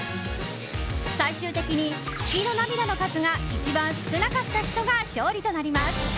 最終的に月の涙の数が一番少なかった人が勝利となります。